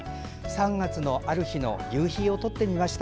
３月のある日の夕日を撮ってみました。